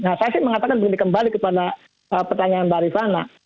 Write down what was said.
nah saya sih mengatakan begini kembali kepada pertanyaan mbak rifana